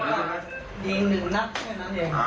ยิง๑นัด